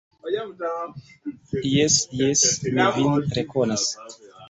Jes, jes, mi vin rekonas!